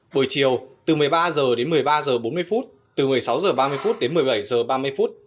buổi chiều từ một mươi ba h đến một mươi ba h bốn mươi từ một mươi sáu h ba mươi đến một mươi bảy h ba mươi phút